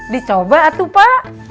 dicoba atu pak